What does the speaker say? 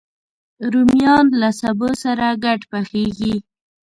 رومیان له سبو سره ګډ پخېږي